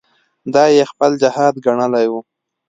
دا یې خپل جهاد ګڼلی وو.